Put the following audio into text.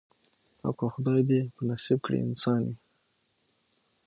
او که خدای دي په نصیب کړی انسان وي